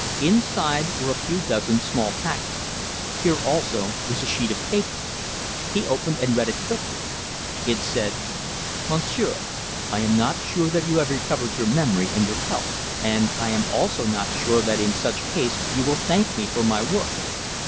Inside were a few dozen small packets. Here also was a sheet of paper. He opened and read it quickly. It said: Monsieur, I am not sure that you have recovered your memory and your health, and I am also not sure that in such case you will thank me for my work.